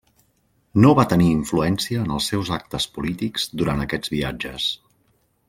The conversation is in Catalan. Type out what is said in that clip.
No va tenir influència en els seus actes polítics durant aquests viatges.